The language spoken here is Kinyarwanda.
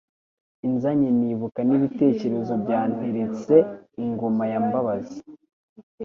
Inzanye nibuka n'ibitereko bya Nteretse ingoma ya Mbabazi.